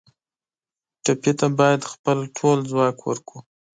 ټپي ته باید خپل ټول ځواک ورکړو.